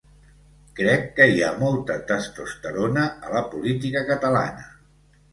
Crec que hi ha molta testosterona a la política catalana.